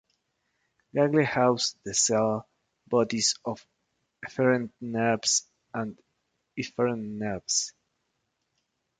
Ganglia house the cell bodies of afferent nerves and efferent nerves.